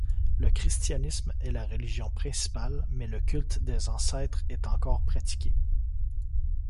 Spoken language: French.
Le christianisme est la religion principale, mais le culte des ancêtres est encore pratiqué.